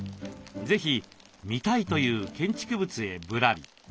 是非見たいという建築物へぶらり。